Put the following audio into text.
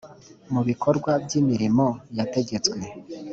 mu bikorwa ry imirimo yategetswe